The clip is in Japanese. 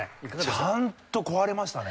ちゃんと壊れましたね。